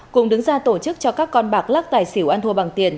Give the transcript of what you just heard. cùng đứng ra tổ chức cho các con bạc lắc tài xỉu ăn thua bằng tiền